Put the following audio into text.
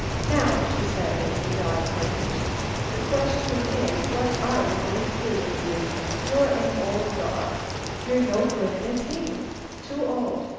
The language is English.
"Now," she said, as the dog finished, "the question is what are we going to do with you? You're an old dog. You're no good in a team. Too old.